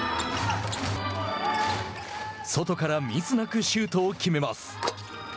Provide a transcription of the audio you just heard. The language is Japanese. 外からミスなくシュートを決めます。